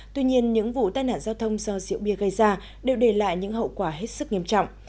tuy nhiên những vụ tai nạn giao thông do rượu bia gây ra đều để lại những hậu quả hết sức nghiêm trọng